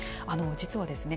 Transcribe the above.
実はですね